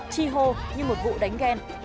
chi hô như một vụ đánh ghen